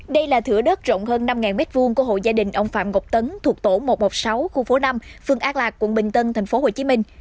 đây là thửa đất rộng hơn năm m hai của hộ gia đình ông phạm ngọc tấn thuộc tổ một trăm một mươi sáu khu phố năm phường an lạc quận bình tân thành phố hồ chí minh